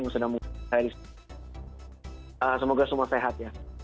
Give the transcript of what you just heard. semoga semua sehat ya